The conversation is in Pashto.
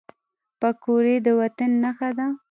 پکورې د وطن نښه ده